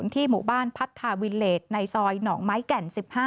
ที่หมู่บ้านพัทธาวิเลสในซอยหนองไม้แก่น๑๕